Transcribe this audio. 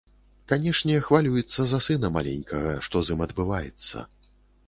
Канешне, хвалюецца за сына маленькага, што з ім адбываецца.